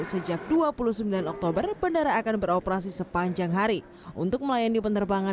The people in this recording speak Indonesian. sejak dua puluh sembilan oktober bandara akan beroperasi sepanjang hari untuk melayani penerbangan